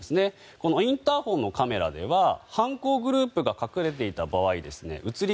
このインターホンのカメラでは犯行グループが隠れていた場合映り